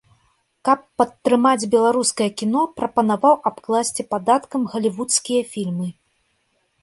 Каб падтрымаць беларускае кіно прапанаваў абкласці падаткам галівудскія фільмы.